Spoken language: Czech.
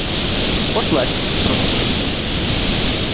Potlesk, prosím.